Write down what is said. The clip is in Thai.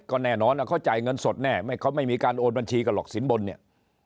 ก็แน่นอนเขาจ่ายเงินสดแน่เขาไม่มีการโอนบัญชีกันหรอกสินบนเนี่ย